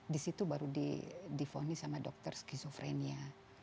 di situ baru di phone sama dokter skizofrenia